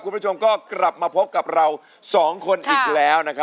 กว่าจะจบรายการเนี่ย๔ทุ่มมาก